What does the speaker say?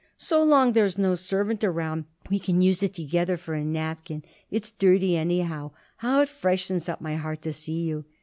"So long there's no servant around, we can use it together for a napkin. It's dirty, anyhow. How it freshens up my heart to see you!"